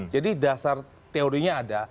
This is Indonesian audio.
jadi dasar teorinya ada